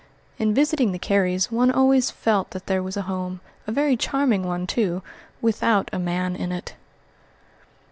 In visiting the Carys one always felt that there was a home a very charming one, too without a man in it.